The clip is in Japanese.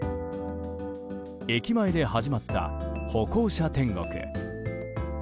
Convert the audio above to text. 駅前で始まった歩行者天国。